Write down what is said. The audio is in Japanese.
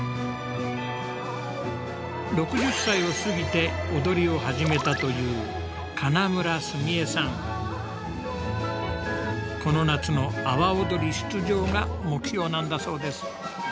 ６０歳を過ぎて踊りを始めたというこの夏の阿波おどり出場が目標なんだそうです。